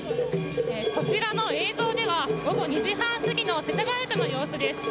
こちらの映像は午後２時半過ぎの世田谷区の様子です。